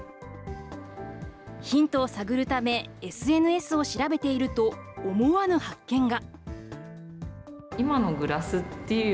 ヒントを探るため、ＳＮＳを調べていると思わぬ発見が。